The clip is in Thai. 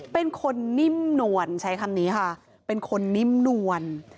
เป็นคนนิ่มนวลใช้คำนี้ค่ะเป็นคนนิ่มนวล